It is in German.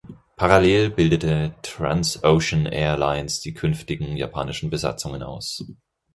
Parallel bildete Transocean Air Lines die künftigen japanischen Besatzungen aus.